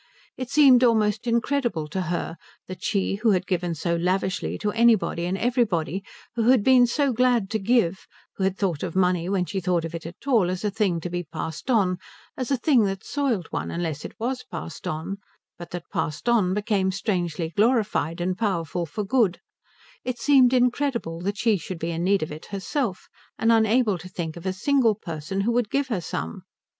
It seemed almost incredible to her that she who had given so lavishly to anybody and everybody, who had been so glad to give, who had thought of money when she thought of it at all as a thing to be passed on, as a thing that soiled one unless it was passed on, but that, passed on, became strangely glorified and powerful for good it seemed incredible that she should be in need of it herself, and unable to think of a single person who would give her some.